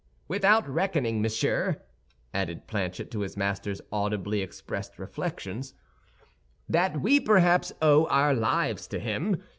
"Without reckoning, monsieur," added Planchet to his master's audibly expressed reflections, "that we perhaps owe our lives to him.